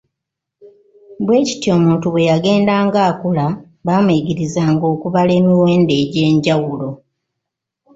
Bwe kityo omuntu bwe yagendanga akula baamuyigirizanga okubala emiwendo egy'enjawulo.